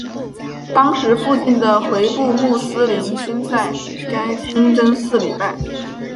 当时附近的回部穆斯林均在该清真寺礼拜。